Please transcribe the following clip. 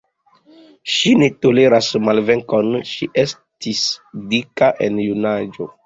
Ŝi ne toleras malvenkon, ŝi estis dika en junaĝo.